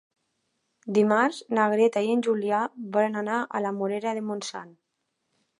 Dimarts na Greta i en Julià volen anar a la Morera de Montsant.